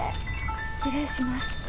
失礼します。